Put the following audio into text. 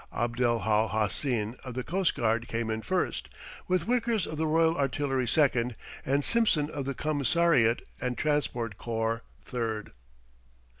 Abdel Hal Hassin of the Coast Guard came in first, with Wickers of the Royal Artillery second, and Simpson of the commissariat and transport corps third.